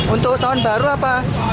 untuk tahun baru apa